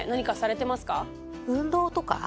運動とか？